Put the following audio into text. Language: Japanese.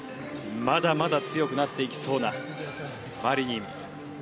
まだまだ強くなっていきそうなマリニン。